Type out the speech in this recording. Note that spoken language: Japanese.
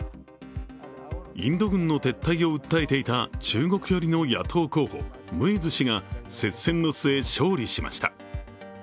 インド軍の撤退を訴えていた中国寄りの野党候補・ムイズ氏が接戦の末、勝利しました。